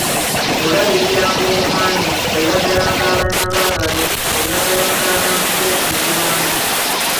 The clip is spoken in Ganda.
Olabiriranga omwami, oyagalanga abaana ba balo, oyagalanga abantu b'oku muliraano.